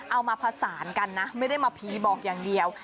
มาผสานกันนะไม่ได้มาผีบอกอย่างเดียว